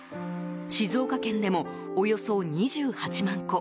静岡県でも、およそ２８万戸。